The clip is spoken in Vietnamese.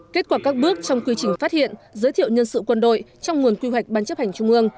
kết quả các bước trong quy trình phát hiện giới thiệu nhân sự quân đội trong nguồn quy hoạch bán chấp hành trung ương